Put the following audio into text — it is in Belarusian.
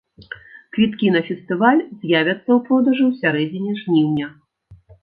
Квіткі на фестываль з'явяцца ў продажы ў сярэдзіне жніўня.